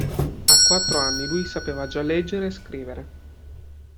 A quattro anni lui sapeva già leggere e scrivere.